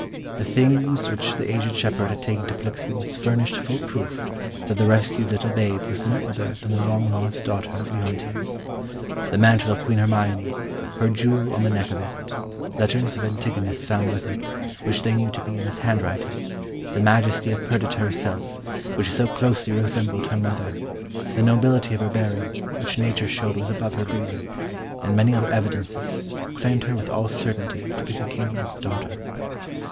The things which the aged shepherd had taken to Polixenes furnished full proof that the rescued little babe was no other than the long lost daughter of Leontes. The mantle of Queen Hermione; her jewel on the neck of it; letters of Antigonus found with it, which they knew to be in his handwriting; the majesty of Perdita herself, which so closely resembled her mother; the nobility of her bearing, which nature showed was above her breeding, and many other evidences, proclaimed her with all certainty to be the King's daughter.